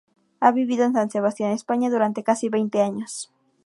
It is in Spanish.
Ha vivido en San Sebastián, España, durante casi veinte años.